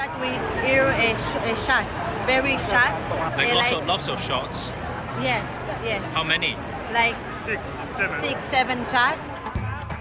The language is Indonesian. seberapa serapan tempat